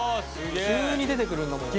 急に出てくるんだもん。